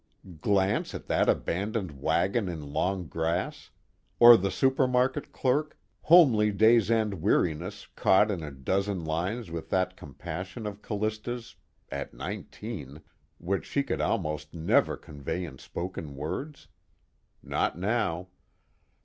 Glance at that abandoned wagon in long grass? Or the supermarket clerk, homely day's end weariness caught in a dozen lines with that compassion of Callista's (at nineteen!) which she could almost never convey in spoken words? Not now.